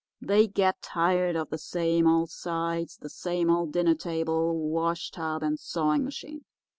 They get tired of the same old sights—the same old dinner table, washtub, and sewing machine.